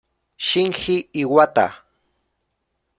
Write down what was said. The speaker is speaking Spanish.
Shinji Iwata